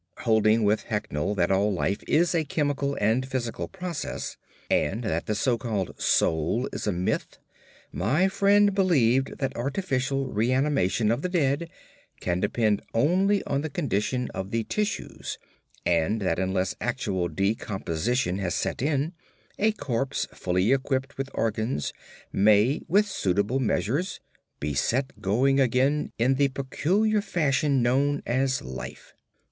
Holding with Haeckel that all life is a chemical and physical process, and that the so called "soul" is a myth, my friend believed that artificial reanimation of the dead can depend only on the condition of the tissues; and that unless actual decomposition has set in, a corpse fully equipped with organs may with suitable measures be set going again in the peculiar fashion known as life.